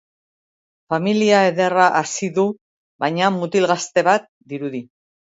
Familia ederra hazi du, baina mutil gazte bat dirudi.